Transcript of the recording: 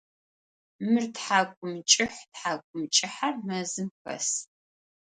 Мыр тхьакӏумкӏыхь, тхьакӏумкӏыхьэр мэзым хэс.